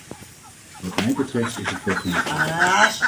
Wat mij betreft is het wel genoeg zo.